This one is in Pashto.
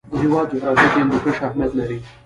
د هېواد جغرافیه کې هندوکش اهمیت لري.